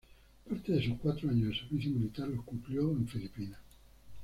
Parte de sus cuatro años de servicio militar los cumplió en Filipinas.